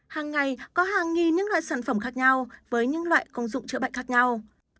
hàng ngày có hàng nghìn những loại sản phẩm khác nhau với những loại công dụng chữa bệnh khác nhau